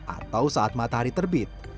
atau saat matahari terbit